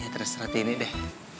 terus rati ini deh